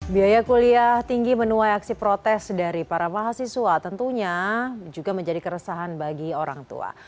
biaya kuliah tinggi menuai aksi protes dari para mahasiswa tentunya juga menjadi keresahan bagi orang tua